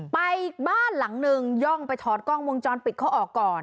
ไปบ้านหลังนึงย่องไปถอดกล้องวงจรปิดเขาออกก่อน